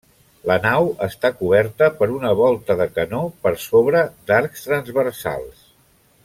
La nau està coberta per una volta de canó per sobre d'arcs transversals.